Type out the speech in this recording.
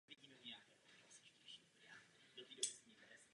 Saladin útočil po celý den.